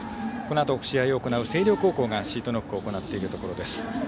このあと試合を行う星稜高校がシートノックを行っているところです。